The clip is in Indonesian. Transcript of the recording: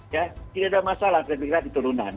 ya tidak ada masalah traffic light di turunan